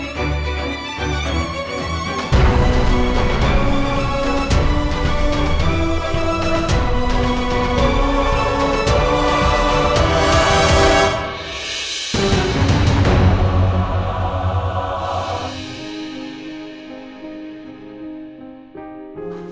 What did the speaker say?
dengan masa kol resist